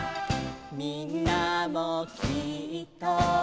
「みんなもきっと」